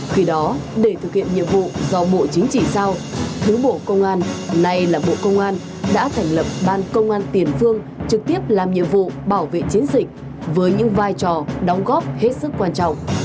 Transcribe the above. khi đó để thực hiện nhiệm vụ do bộ chính trị giao thứ bộ công an nay là bộ công an đã thành lập ban công an tiền phương trực tiếp làm nhiệm vụ bảo vệ chiến dịch với những vai trò đóng góp hết sức quan trọng